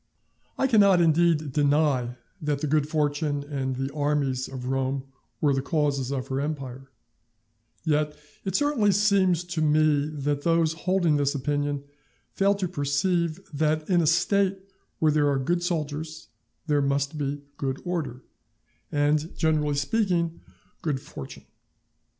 I cannot indeed deny that the good fortune and the armies of Rome were the causes of her empire; yet it certainly seems to me that those holding this opinion fail to perceive, that in a State where there are good soldiers there must be good order, and, generally speaking, good fortune.